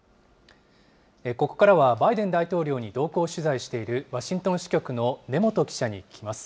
ここからは、バイデン大統領に同行取材しているワシントン支局の根本記者に聞きます。